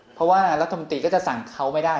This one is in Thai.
เพราะว่ารัฐมนตรีก็จะสั่งเขาไม่ได้